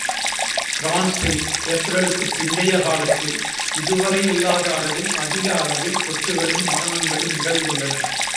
பிரான்ஸில் ஏப்ரலுக்குப் பிந்தைய காலத்தில் இதுவரை இல்லாத அளவில் அதிக அளவில் தொற்றுகளும், மரணங்களும் நிகழ்ந்துள்ளன.